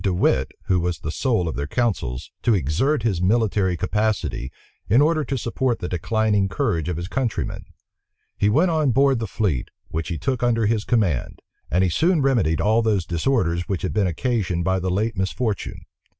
This disaster threw the Dutch into consternation, and determined De Wit, who was the soul of their councils, to exert his military capacity, in order to support the declining courage of his countrymen. He went on board the fleet, which he took under his command; and he soon remedied all those disorders which had been occasioned by the late misfortune.